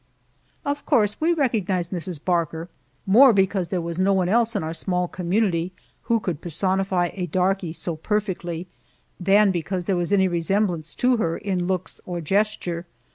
Of course we recognized Mrs. Barker, more because there was no one else in our small community who could personify a darky so perfectly, than because there was any resemblance to her in looks or gesture.